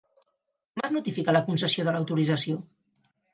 Com es notifica la concessió de l'autorització?